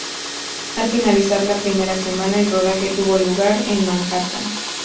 Al finalizar la primera semana, el rodaje tuvo lugar en Manhattan.